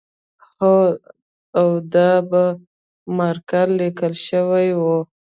هو او دا په مارکر لیکل شوی و